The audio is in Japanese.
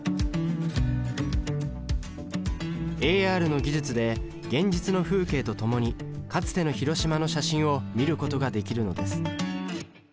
ＡＲの技術で現実の風景とともにかつての広島の写真を見ることができるのです。